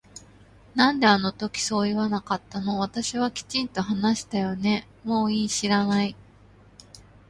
なんであの時そう言わなかったの私はきちんと話したよねもういい知らない